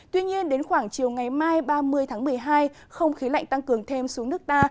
tuy nhiên đến khoảng chiều ngày mai ba mươi tháng một mươi hai không khí lạnh tăng cường thêm xuống nước ta